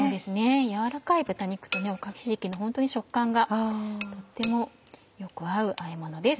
軟らかい豚肉とおかひじきのホントに食感がとってもよく合うあえものです。